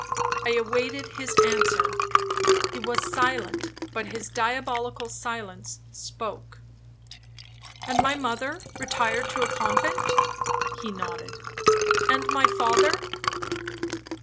I awaited his answer; he was silent, but his diabolical silence spoke. 'And my mother retired to a convent?' he nodded. 'And my father?'